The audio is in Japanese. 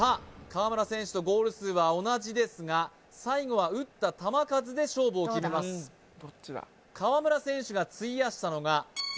河村選手とゴール数は同じですが最後は打った球数で勝負を決めます河村選手が費やしたのが６２